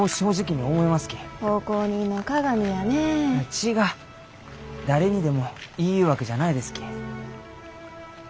違っ誰にでも言いゆうわけじゃないですき。